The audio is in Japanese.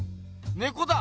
ねこだ！